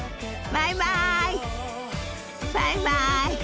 バイバイ。